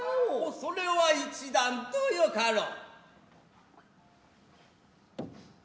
それは一段とよかろう。